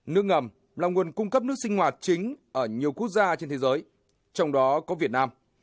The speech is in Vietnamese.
nước ngầm là nguồn cung cấp nước sinh hoạt chính ở nhiều quốc gia trên thế giới trong đó có việt nam